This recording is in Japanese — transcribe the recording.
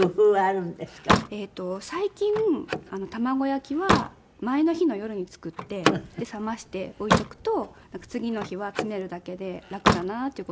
最近卵焼きは前の日の夜に作って冷まして置いとくと次の日は詰めるだけで楽だなという事がわかって。